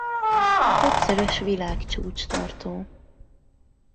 Többszörös világcsúcstartó.